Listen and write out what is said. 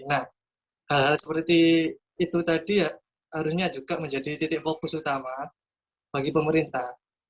nah hal hal seperti itu tadi ya harusnya juga menjadi titik fokus utama bagi pemerintah